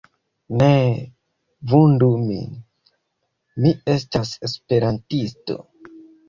Neeee vundu min, mi estas Esperantisto...